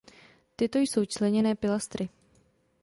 Tyto jsou členěny pilastry.